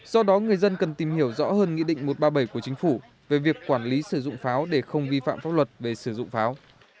do đó người dân cần tìm hiểu rõ hơn nghị định một trăm ba mươi bảy của chính phủ về việc quản lý sử dụng pháo để không vi phạm pháp luật về sử dụng pháo